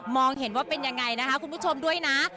เห็นว่าเป็นยังไงนะคะคุณผู้ชมด้วยนะ